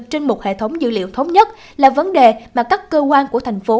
trên một hệ thống dữ liệu thống nhất là vấn đề mà các cơ quan của thành phố